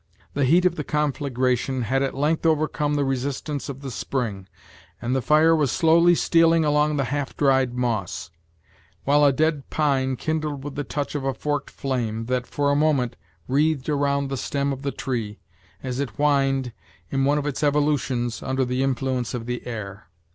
The heat of the conflagration had at length overcome the resistance of the spring, and the fire was slowly stealing along the half dried moss; while a dead pine kindled with the touch of a forked flame, that, for a moment, wreathed around the stem of the tree, as it whined, in one of its evolutions, under the influence of the air.